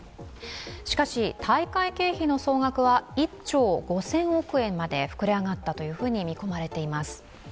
しかし、大会経費の総額は１兆５０００億円まで膨れ上がったと見込まれています。